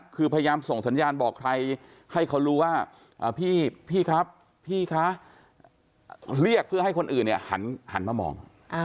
คือพยายามส่งสัญญาณบอกใครให้เขารู้ว่าพี่ครับพี่คะเรียกเพื่อให้คนอื่นเนี่ยหันมามอง